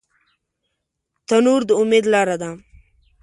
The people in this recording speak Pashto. تنور د امید لاره ده